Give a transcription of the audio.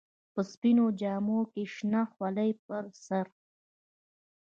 په سپينو جامو کښې شنه خولۍ پر سر.